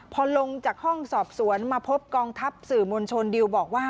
พอลงจากห้องสอบสวนมาพบกองทัพสื่อมวลชนดิวบอกว่า